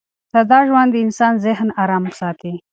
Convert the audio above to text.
ساده ژوند د انسان ذهن ارام ساتي.